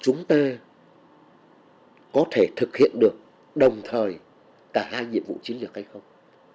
chúng ta có thể thực hiện được đồng thời cả hai nhiệm vụ chiến lược hay không